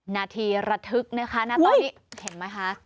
นาทีระทึกนะคะณตอนนี้เห็นไหมคะ